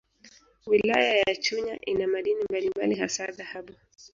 Wilaya ya Chunya ina madini mbalimbali hasa dhahabu